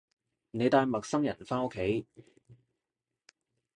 你帶陌生人返屋企